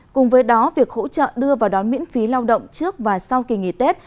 cùng với đó việc hỗ trợ đưa vào đón miễn phí lao động trước và sau kỳ nghỉ tết